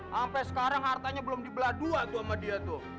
sampai sekarang hartanya belum dibelah dua tuh sama dia tuh